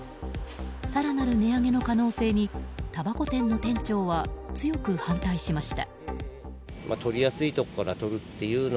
更なる値上げの可能性にたばこ店の店長は強く反対しました。